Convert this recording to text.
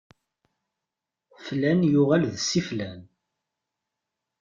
Flan yuɣal d Si Flan.